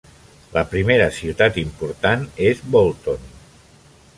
La primera ciutat important és Bolton.